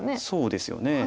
そうですよね。